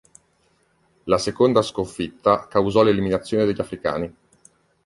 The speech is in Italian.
La seconda sconfitta causò l'eliminazione degli africani.